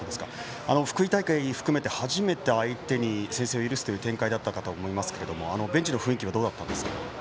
福井大会含めて初めて先制を許すという展開だったと思いますがベンチの雰囲気はどうだったんですか？